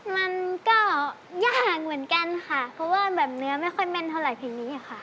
มันก็ยากเหมือนกันค่ะเพราะว่าแบบเนื้อไม่ค่อยแม่นเท่าไหรเพลงนี้ค่ะ